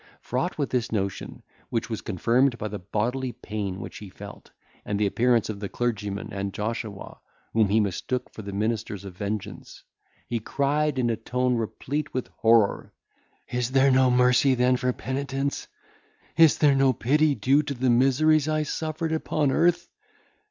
Fraught with this notion, which was confirmed by the bodily pain which he felt, and the appearance of the clergyman and Joshua, whom he mistook for the ministers of vengeance, he cried in a tone replete with horror, "Is there no mercy then for penitence? Is there no pity due to the miseries I suffered upon earth?